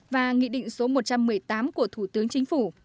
và nghị định số một trăm một mươi tám của thủ tướng chính phủ